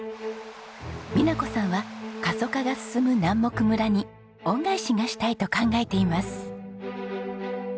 美奈子さんは過疎化が進む南牧村に恩返しがしたいと考えています。